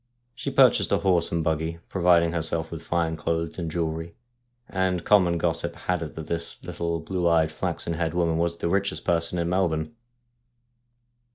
She purchased a horse and buggy, provided herself with fine clothes and jewellery, and common gossip had it that this little, blue eyed, flaxen haired woman was the richest person in Melbourne.